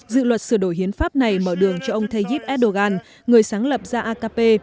dự luật sửa đổi hiến pháp này mở đường cho ông tayyip erdogan người sáng lập gia akp